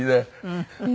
うん。